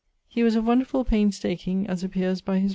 ]He was of wonderfull painstaking, as appeares by his writings.